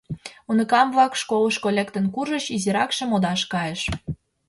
Уныкам-влак школышко лектын куржыч, изиракше модаш кайыш.